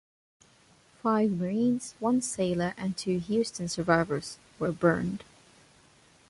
Five Marines, one sailor and two "Houston" survivors were burned.